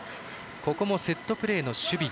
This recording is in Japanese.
ここもセットプレーの守備。